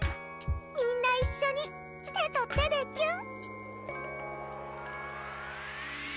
みんな一緒に手と手でキュン！